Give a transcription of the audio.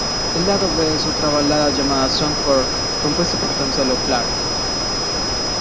El lado B es otra balada llamada Song For compuesto tan sólo por Clarke.